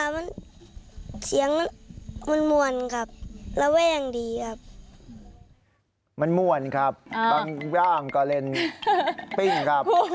มันม่วนครับบางอย่างก็เล่นปิ้งครับ